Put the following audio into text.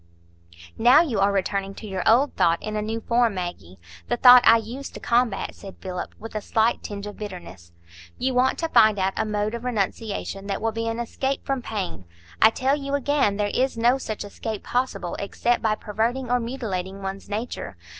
"Now you are returning to your old thought in a new form, Maggie,—the thought I used to combat," said Philip, with a slight tinge of bitterness. "You want to find out a mode of renunciation that will be an escape from pain. I tell you again, there is no such escape possible except by perverting or mutilating one's nature.